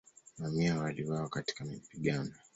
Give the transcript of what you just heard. Mamia waliuawa katika mapigano.